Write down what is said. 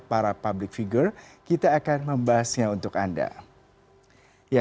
para public figure kita akan membahasnya untuk anda